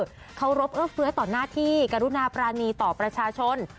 เคารพเอื้อเฟื้อต่อหน้าที่กรุณาปรานีต่อประชาชน